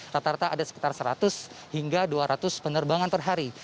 rata rata ada sekitar seratus hingga dua ratus penerbangan per hari